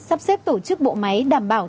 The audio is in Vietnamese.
sắp xếp tổ chức bộ máy đảm bảo